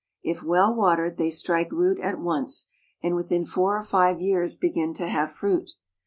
If well watered, they strike root at once, and within four or five years begin to have fruit.